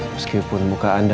meskipun muka anda